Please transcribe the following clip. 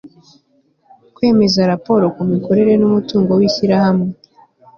Kwemeza raporo ku mikorere n umutungo w ishyirahamwe